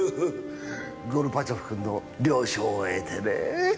ゴルバチョフ君の了承を得てね。